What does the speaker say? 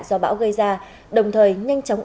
do bão gây ra đồng thời nhanh chóng